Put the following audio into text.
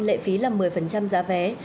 lệ phí là một mươi giá vé